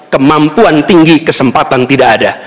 kemampuan tinggi kesempatan tidak ada